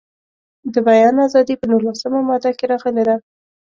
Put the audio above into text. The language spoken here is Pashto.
د بیان ازادي په نولسمه ماده کې راغلې ده.